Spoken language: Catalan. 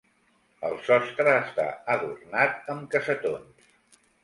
El sostre està adornat amb cassetons.